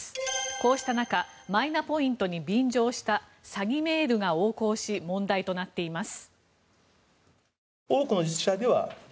こうした中マイナポイントに便乗した詐欺メールが横行し問題となっています。